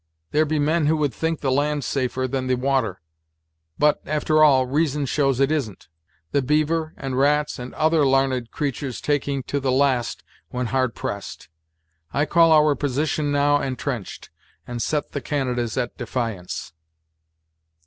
There be men who would think the land safer than the water; but, after all, reason shows it isn't; the beaver, and rats, and other l'arned creatur's taking to the last when hard pressed. I call our position now, entrenched, and set the Canadas at defiance."